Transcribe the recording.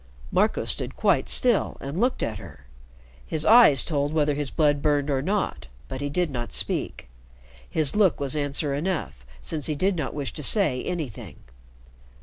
Marco stood quite still and looked at her. His eyes told whether his blood burned or not, but he did not speak. His look was answer enough, since he did not wish to say anything.